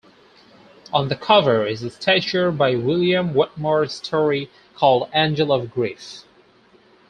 On the cover is a statue by William Wetmore Story called "Angel of Grief".